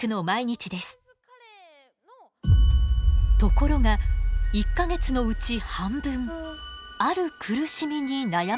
ところが１か月のうち半分ある苦しみに悩まされています。